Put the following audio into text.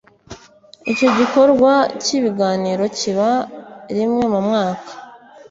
Icyo gikorwa cy’ibiganiro kiba rimwe mu mwaka